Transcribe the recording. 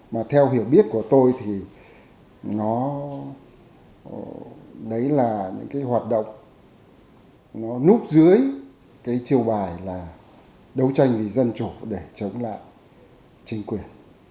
mà theo hiểu biết của tôi thì nó đấy là những cái hoạt động nó núp dưới cái chiêu bài là đấu tranh vì dân chủ để chống lại chính quyền